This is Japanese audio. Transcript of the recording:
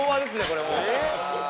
これもう。